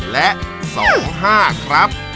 และ๒๕ครับ